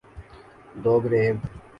دوگریب